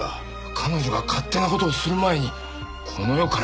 彼女が勝手な事をする前にこの世から消えてくれたら！